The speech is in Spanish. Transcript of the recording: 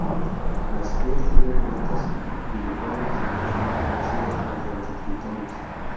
Las crías tienen aletas filiformes mucho más parecidas a las de los tritones.